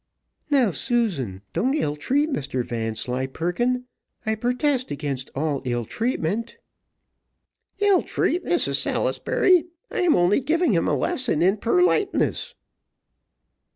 "Now, Susan, don't ill treat Mr Vanslyperken: I purtest against all ill treatment." "Ill treat, Mrs Salisbury! I am only giving him a lesson in purliteness."